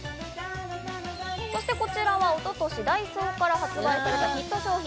そしてこちらは一昨年、ダイソーから発売されたヒット商品。